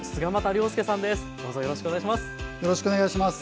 よろしくお願いします。